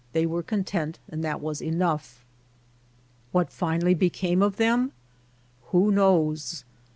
They were content and that was enough. What finally became of them ? Who knows